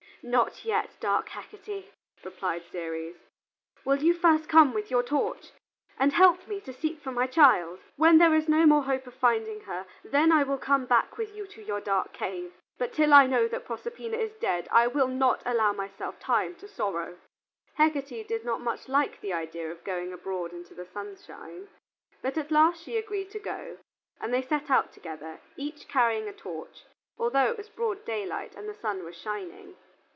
"Not yet, dark Hecate," replied Ceres. "Will you first come with your torch and help me to seek for my child. When there is no more hope of finding her, then I will come back with you to your dark cave. But till I know that Proserpina is dead, I will not allow myself time to sorrow." Hecate did not much like the idea of going abroad into the sunshine, but at last she agreed to go, and they set out together, each carrying a torch, although it was broad daylight and the sun was shining.